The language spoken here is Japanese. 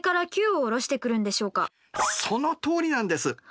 そのとおりなんです！